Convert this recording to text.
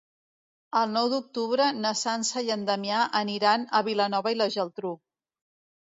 El nou d'octubre na Sança i en Damià aniran a Vilanova i la Geltrú.